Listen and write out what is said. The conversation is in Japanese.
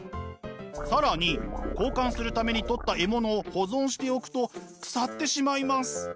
更に交換するために取った獲物を保存しておくと腐ってしまいます。